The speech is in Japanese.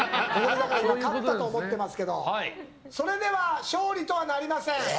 勝ったと思ってますけどそれでは勝利とはなりません。